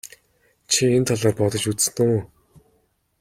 Чи энэ талаар бодож үзсэн үү?